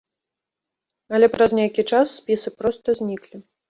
Але праз нейкі час спісы проста зніклі.